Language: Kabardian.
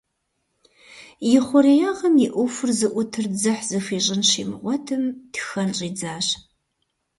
И хъуреягъым и ӏуэхур зыӏутыр дзыхь зыхуищӏын щимыгъуэтым, тхэн щӏидзащ.